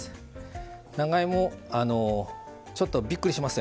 長芋ちょっとびっくりしますよね。